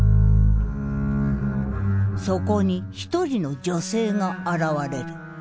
そこに一人の女性が現れる。